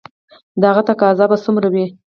د هغه تقاضا به څومره وي؟